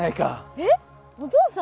えっお父さん！？